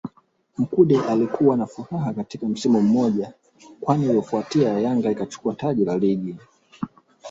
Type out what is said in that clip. Mkude alikuwa na furaha katika msimu mmoja kwani uliofuata Yanga ikachukua taji la Ligi